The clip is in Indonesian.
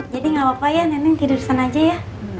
jadi gapapa ya neneng tidur sana aja ya